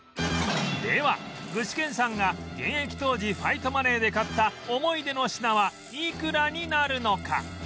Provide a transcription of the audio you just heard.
では具志堅さんが現役当時ファイトマネーで買った思い出の品はいくらになるのか？